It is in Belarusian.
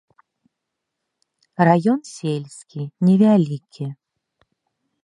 Раён сельскі, не вялікі.